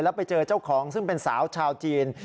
แล้วไปเจอเจ้าของซึ่งเป็นสาวชาวจีน